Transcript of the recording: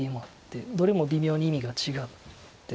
どれも微妙に意味が違って。